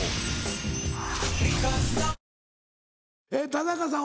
田中さん